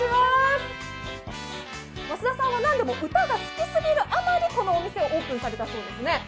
益田さんは歌が好きすぎるあまりこのお店をオープンされたそうですね。